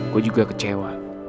gue juga kecewa